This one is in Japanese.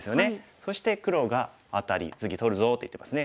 そして黒がアタリ「次取るぞ」って言ってますね。